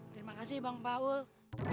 terima kasih bang paul